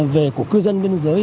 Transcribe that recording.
về của cư dân biên giới